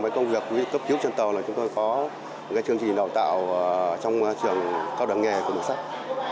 mấy công việc cấp cứu trên tàu là chúng tôi có cái chương trình đào tạo trong trường cao đẳng nghề của bộ sách